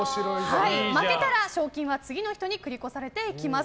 負けたら賞金は次の人に繰り越されていきます。